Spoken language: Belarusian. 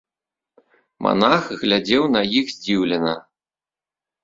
Манах глядзеў на іх здзіўлена.